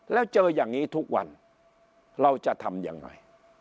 แล้วเจออย่างนี้ทุกวันเราจะทำยังไง